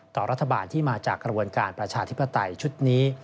ต่อรัฐบาลที่มาจากกระบวนการประชาธิปไตยชุดนี้